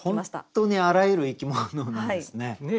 本当にあらゆる生き物なんですね。